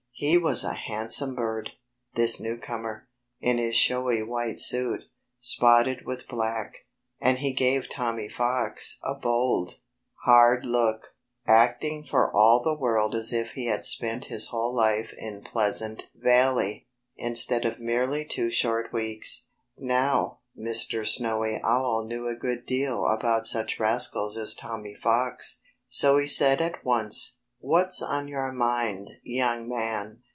He was a handsome bird this newcomer in his showy white suit, spotted with black. And he gave Tommy Fox a bold, hard look, acting for all the world as if he had spent his whole life in Pleasant Valley, instead of merely two short weeks. Now, Mr. Snowy Owl knew a good deal about such rascals as Tommy Fox. So he said at once, "What's on your mind, young man?